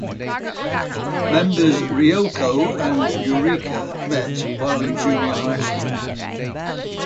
Members Ryoko and Yurika met while in junior high school.